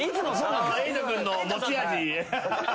瑛人君の持ち味。